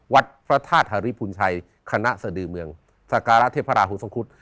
วัดพระธาตุฮาริพุนชัยคณะสดือเมืองสการะเทพราหูทรงคุศ